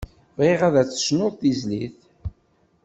Bɣiɣ ad d-tecnumt tizlit.